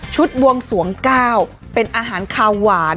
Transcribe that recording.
ชุดบวงสวงก้าวเป็นอาหารคาวหวาน